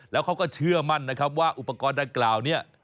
แล้วเขาก็เชื่อมั่นนะครับว่าอุปกรณ์ดังกล่าวเนี่ย